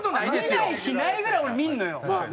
見ない日ないぐらい俺見るのよ。